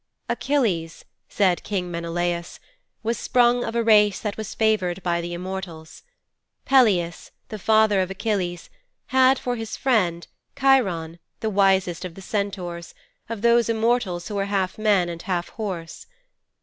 'Achilles,' said King Menelaus, 'was sprung of a race that was favoured by the immortals. Peleus, the father of Achilles, had for his friend, Cheiron, the wisest of the Centaurs of those immortals who are half men and half horse.